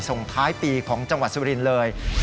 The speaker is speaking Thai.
ส่งท้ายปีของจังหวัดสุรินทร์เลย